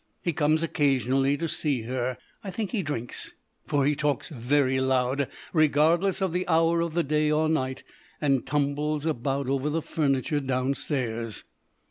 He comes occasionally to see her. I think he drinks, for he talks very loud, regardless of the hour of the day or night, and tumbles about over the furniture downstairs.